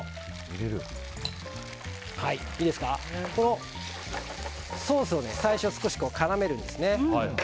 このソースを最初、少し絡めるんですね。